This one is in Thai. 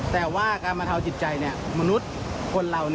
แต่ว่าการบรรเทาจิตใจมนุษย์คนเรา